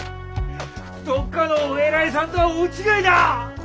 どっかのお偉いさんとは大違いだ！